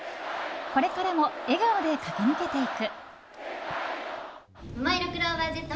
これからも笑顔で駆け抜けていく！